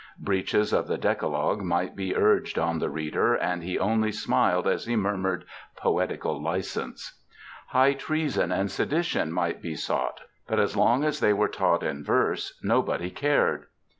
Breaches of the Decalogue might be urged on the reader, and he only smiled as he murmured '^poetical licence.'" High treason and sedition might be sought, but asT long as they were taught in verse nobody cared.